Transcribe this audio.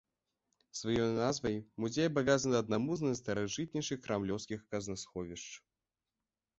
Сваёй назвай музей абавязаны аднаму з найстаражытнейшых крамлёўскіх казнасховішч.